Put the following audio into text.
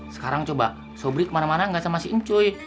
sekarang coba sobri kemana mana gak sama si incoy